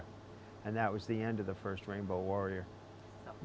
dan itu adalah akhirnya rainbow warrior pertama